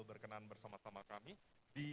berkenan bersama sama kami di